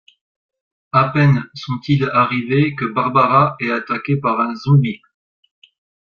À peine sont ils arrivés que Barbara est attaquée par un zombie.